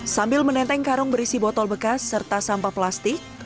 sambil menenteng karung berisi botol bekas serta sampah plastik